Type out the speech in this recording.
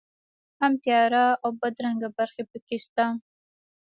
هم تیاره او بدرنګه برخې په کې شته.